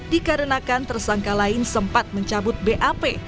dikarenakan tersangka lain sempat mencabut bap